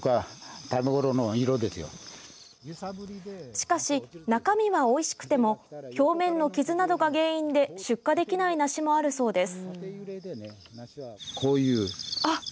しかし、中身はおいしくても表面の傷などが原因で出荷できない梨もあるそうです。